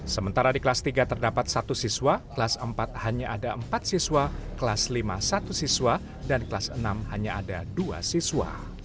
sementara di kelas tiga terdapat satu siswa kelas empat hanya ada empat siswa kelas lima satu siswa dan kelas enam hanya ada dua siswa